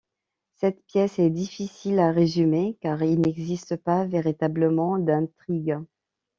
Cette pièce est difficile à résumer, car il n'existe pas véritablement d'intrigue.